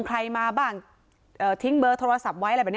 ใครมาบ้างทิ้งเบอร์โทรศัพท์ไว้